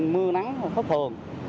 mưa nắng khốc thường